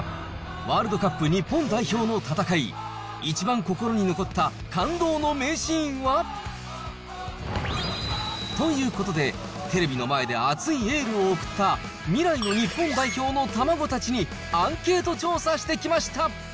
ワールドカップ日本代表の戦い、一番心に残った感動の名シーンは？ということで、テレビの前で熱いエールを送った、未来の日本代表の卵たちにアンケート調査してきました。